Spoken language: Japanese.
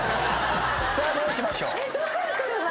さあどうしましょう？